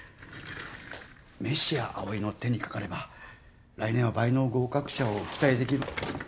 メシア藍井の手にかかれば来年は倍の合格者を期待できる。